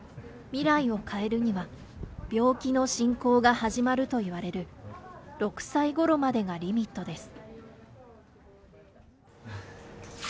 未来を変えるには、病気の進行が始まるといわれる、６歳ごろまでがリミットです。